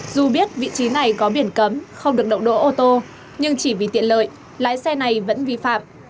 dù biết vị trí này có biển cấm không được đậu đỗ ô tô nhưng chỉ vì tiện lợi lái xe này vẫn vi phạm